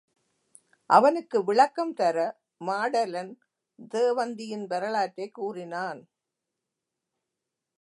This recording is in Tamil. அவனுக்கு விளக்கம் தர மாடலன் தேவந்தியின் வரலாற்றைக் கூறினான்.